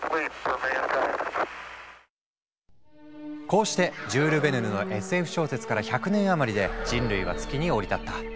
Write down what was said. こうしてジュール・ヴェルヌのＳＦ小説から１００年余りで人類は月に降り立った。